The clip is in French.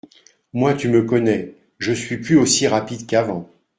Moi, tu me connais, je suis plus aussi rapide qu’avant